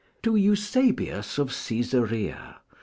To Eusebius of Caesarea.